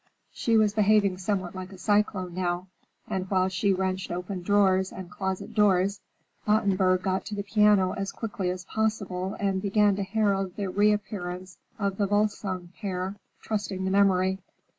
She was behaving somewhat like a cyclone now, and while she wrenched open drawers and closet doors, Ottenburg got to the piano as quickly as possible and began to herald the reappearance of the Volsung pair, trusting to memory.